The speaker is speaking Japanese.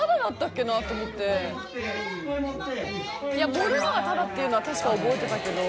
盛るのはタダっていうのは確か覚えてたけど。